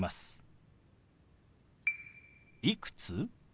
「いくつ？」。